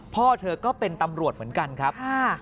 พ่อเธอก็เป็นตำรวจเหมือนกันครับ